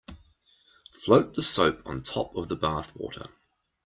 Float the soap on top of the bath water.